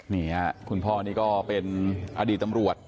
นี่ค่ะคุณพ่อนี่ก็เป็นอดีตตำรวจ